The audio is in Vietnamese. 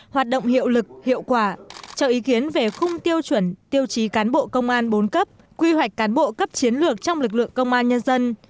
hoạt động hiệu lực hiệu quả cho ý kiến về khung tiêu chuẩn tiêu chí cán bộ công an bốn cấp quy hoạch cán bộ cấp chiến lược trong lực lượng công an nhân dân